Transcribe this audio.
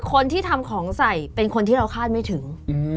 คนที่ทำของใส่เป็นคนที่เราคาดไม่ถึง